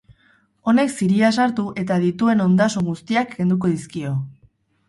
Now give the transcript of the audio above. Honek ziria sartu eta dituen ondasun guztiak kenduko dizkio.